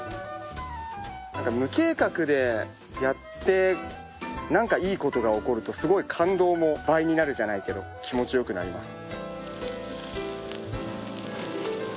無計画でやってなんかいい事が起こるとすごい感動も倍になるじゃないけど気持ち良くなります。